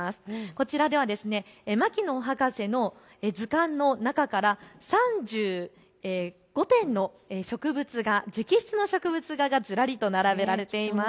こちらでは牧野博士の図鑑の中から３５点の植物画、直筆の植物画がずらりと並べられています。